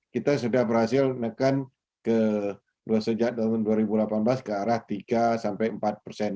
kita sudah berhasil menekan sejak tahun dua ribu delapan belas ke arah tiga sampai empat persen